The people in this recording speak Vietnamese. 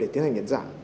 để tiến hành nhận dạng